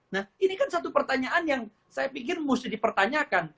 nah ini kan satu pertanyaan yang saya pikir mesti dipertanyakan